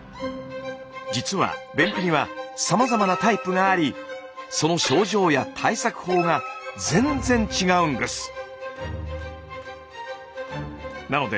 実は便秘にはさまざまなタイプがありその症状や対策法が全然違うんです。